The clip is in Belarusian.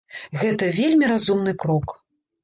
Гэта вельмі разумны крок.